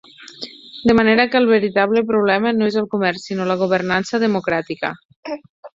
De manera que el veritable problema no és el "comerç", sinó la governança democràtica.